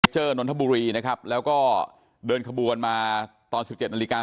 นนทบุรีนะครับแล้วก็เดินขบวนมาตอน๑๗นาฬิกา